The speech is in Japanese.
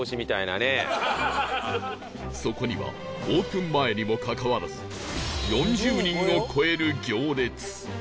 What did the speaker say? そこにはオープン前にもかかわらず４０人を超える行列